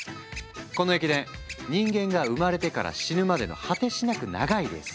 この駅伝人間が生まれてから死ぬまでの果てしなく長いレース。